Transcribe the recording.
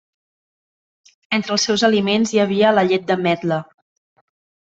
Entre els seus aliments hi havia la llet d'ametla.